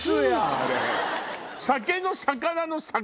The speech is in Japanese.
あれ。